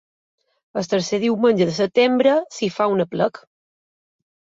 El tercer diumenge de setembre s'hi fa un aplec.